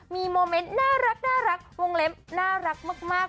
มีโมเมนต์น่ารักวงเล็บน่ารักมาก